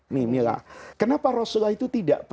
nih milah kenapa rasulullah itu